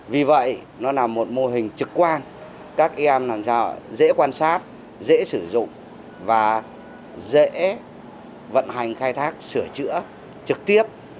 vì vậy nó là một mô hình trực quan các em làm sao dễ quan sát dễ sử dụng và dễ vận hành khai thác sửa chữa trực tiếp